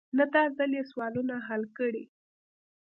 نه داځل يې سوالونه حل کړي.